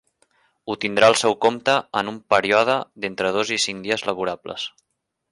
Ho tindrà al seu compte en un període d'entre dos i cinc dies laborables.